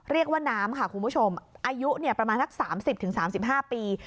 เรียกว่าน้ำค่ะคุณผู้ชมอายุเนี่ยประมาณทั้งสามสิบถึงสามสิบห้าปี